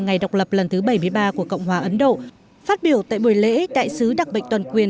ngày độc lập lần thứ bảy mươi ba của cộng hòa ấn độ phát biểu tại buổi lễ đại sứ đặc mệnh toàn quyền